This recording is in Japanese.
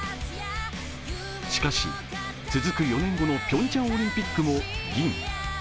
しかし、続く４年後のピョンチャンオリンピックも銀。